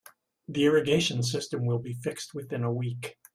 The irrigation system will be fixed within a week.